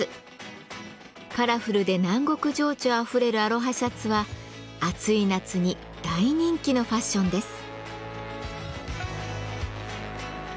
カラフルで南国情緒あふれるアロハシャツは暑い夏に大人気のファッションです。